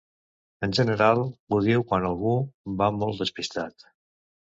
En general, ho diu quan algú va molt despistat.